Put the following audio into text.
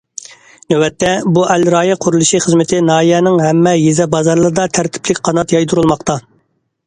نۆۋەتتە، بۇ ئەل رايى قۇرۇلۇشى خىزمىتى ناھىيەنىڭ ھەممە يېزا- بازارلىرىدا تەرتىپلىك قانات يايدۇرۇلماقتا.